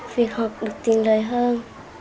việc học được tiền lời hơn